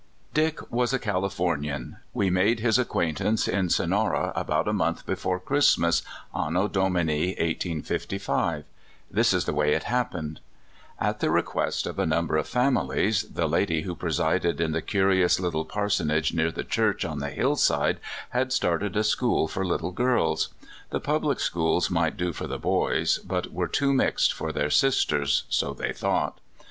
DICK was a Californian. We made his acquaintance in Sonora about a month before Christmas, Anno Do^nini 1855. This is the way it happened: At the request of a number of famiHes, the lady who presided in the curious Httle parson age near the church on the hillside had started a school for little girls. The public schools might do for the boys, but were too mixed for their sis ters — so they thought.